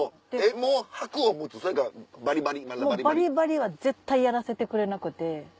もうバリバリは絶対やらせてくれなくて。